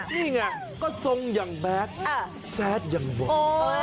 นี่ไงก็ทรงยังแบดแซทยังบ่น